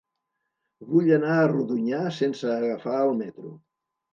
Vull anar a Rodonyà sense agafar el metro.